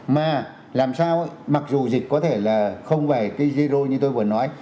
mà làm sao mặc dù dịch có thể là không phải cái zero như tôi vừa nói